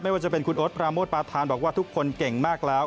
ว่าจะเป็นคุณโอ๊ตปราโมทปาธานบอกว่าทุกคนเก่งมากแล้ว